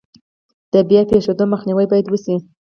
د بیا پیښیدو مخنیوی باید وشي.